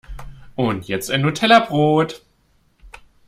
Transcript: Und jetzt ein Nutellabrot!